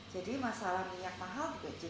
jadi masalah minyak mahal juga